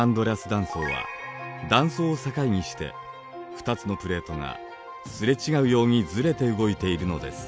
断層は断層を境にして２つのプレートがすれ違うようにずれて動いているのです。